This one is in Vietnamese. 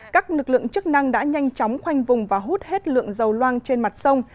các lực lượng chức năng đã nhanh chóng khoanh vùng và hút hết lượng dầu loang trên mặt sông